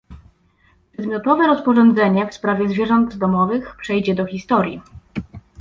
Przedmiotowe rozporządzenie w sprawie zwierząt domowych przejdzie do historii